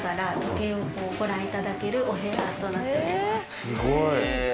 すごい。